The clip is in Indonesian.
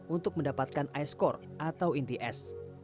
untuk mendapatkan ice core atau inti es